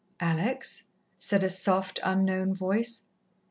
"Alex?" said a soft, unknown voice.